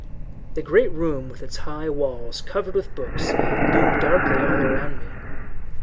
The great room with its high walls covered with books loomed darkly all round me.